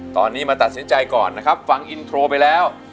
ตอนนี้มาตัดสินใจก่อนนะครับฟังอินโทรไปแล้ว